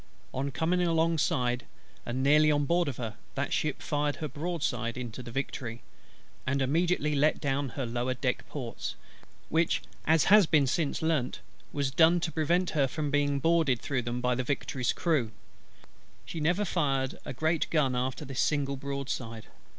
On coming alongside and nearly on board of her, that ship fired her broadside into the Victory, and immediately let down her lower deck ports; which, as has been since learnt, was done to prevent her from being boarded through them by the Victory's crew. She never fired a great gun after this single broadside.